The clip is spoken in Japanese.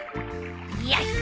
よし！